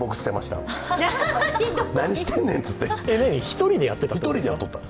１人でやってた。